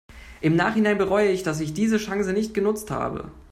Im Nachhinein bereue ich, dass ich diese Chance nicht genutzt habe.